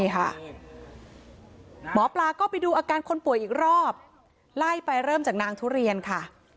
หมอปลาก็ไปดูอาการคนป่วยอีกรอบไล่ไปเริ่มจากนางทุเรียนค่ะ